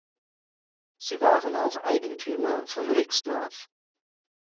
Sie waren auch Eigentümer von Rixdorf.